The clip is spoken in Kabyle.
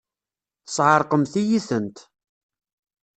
Tesɛeṛqemt-iyi-tent!